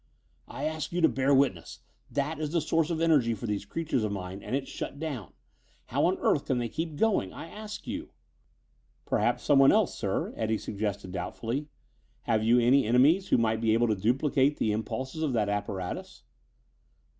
"I ask you to bear witness. That is the source of energy for these creations of mine and it's shut down. How on earth can they keep going? I ask you." "Perhaps someone else, sir," Eddie suggested doubtfully. "Have you any enemies who might be able to duplicate the impulses of that apparatus?"